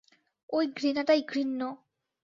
ওই ঘৃণাটাই ঘৃণ্য।